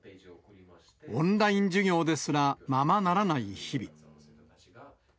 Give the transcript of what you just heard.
オンライン授業ですらままならない日々。